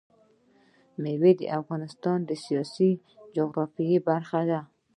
مېوې د افغانستان د سیاسي جغرافیه برخه ده.